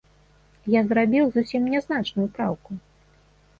Я зрабіў зусім нязначную праўку.